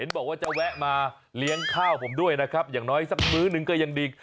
บอกว่าจะแวะมาเลี้ยงข้าวผมด้วยนะครับอย่างน้อยสักมื้อหนึ่งก็ยังดี